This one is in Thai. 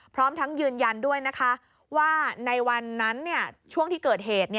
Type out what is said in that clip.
พร้อมทั้งยืนยันด้วยนะคะว่าในวันนั้นช่วงที่เกิดเหตุ